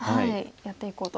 やっていこうと。